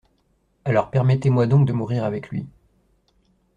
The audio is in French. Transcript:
Alors, permettez-moi donc de mourir avec lui.